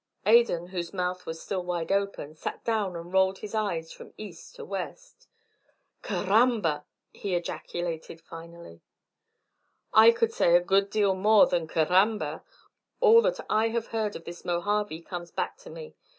Adan, whose mouth was still wide open, sat down and rolled his eyes from east to west. "Caramba!" he ejaculated finally. "I could say a good deal more than Caramba. All that I have heard of this Mojave comes back to me.